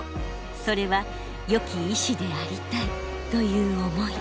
それはよき医師でありたいという思い。